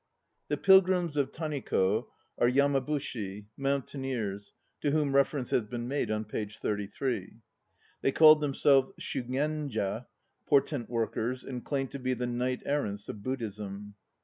The pilgrims of Taniko are Yamabushi, "mountaineers," to whom reference has been made on page 33. They called themselves Shu genja, "portent workers," and claimed to be the knight errants of Buddhism.